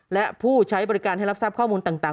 และผู้ใช้บริการให้รับทราบข้อมูลต่าง